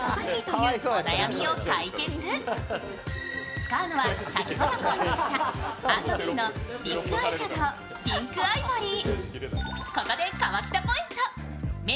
使うのは先ほど購入した＆ｂｅのスティックアイシャドウピンクアイボリー。